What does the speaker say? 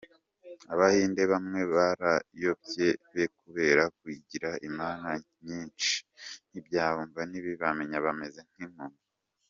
Abahinde bamwe barayobye pe kubera kujyira imana nyinshi ntibabyumva ntibazamenya bameze nkimpumyi.